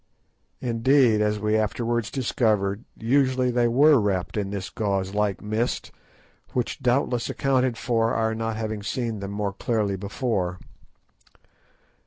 Indeed, as we afterwards discovered, usually they were wrapped in this gauze like mist, which doubtless accounted for our not having seen them more clearly before.